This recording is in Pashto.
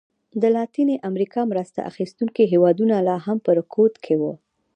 د لاتینې امریکا مرسته اخیستونکي هېوادونه لا هم په رکود کې وو.